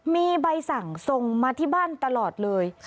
มีใบสั่งส่งมาที่บ้านตลอดเลย